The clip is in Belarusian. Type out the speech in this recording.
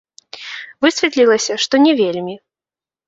Высветлілася, што не вельмі.